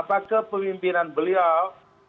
apakah pemimpinan beliau